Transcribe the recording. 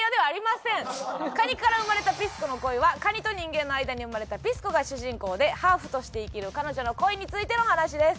『蟹から生まれたピスコの恋』は蟹と人間の間に生まれたピス子が主人公でハーフとして生きる彼女の恋についての話です。